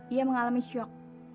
ia mengalami syok